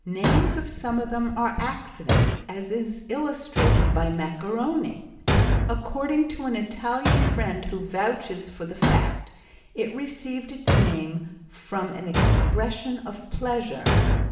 Names of some of them are accidents, as is illustrated by macaroni. According to an Italian friend who vouches for the fact, it received its name from an expression of pleasure.